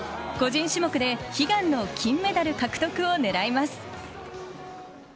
個人種目で悲願の金メダル獲得を狙います。